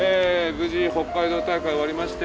無事北海道大会終わりまして